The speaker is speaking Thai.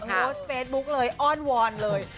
โพสต์เฟซบุ๊กเลยอ้อนวอนเลย